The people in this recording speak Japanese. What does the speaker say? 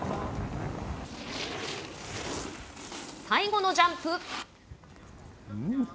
最後のジャンプ。